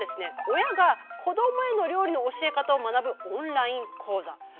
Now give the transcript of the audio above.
親が子どもへの料理の教え方を学ぶオンライン講座。